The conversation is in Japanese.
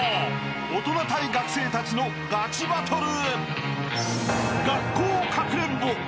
［大人対学生たちのガチバトル］